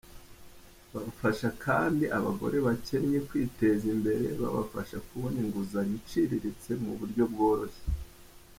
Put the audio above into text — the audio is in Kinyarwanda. Bafasha kandi abagore bakennye kwiteza imbere, babafasha kubona inguzanyo iciriritse mu buryo bworoshye.